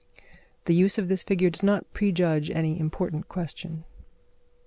The use of this figure does not prejudge any important question.